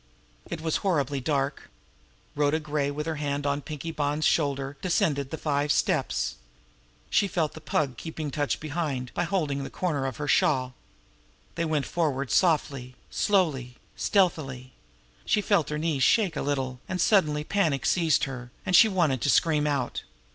It was horribly dark. Rhoda Gray, with her hand on Pinkie Bonn's shoulder, descended the five steps. She felt the Pug keeping touch behind by holding the corner of her shawl. They went forward softly, slowly, stealthily. She felt her knees shake a little, and suddenly panic seized her, and she wanted to scream out.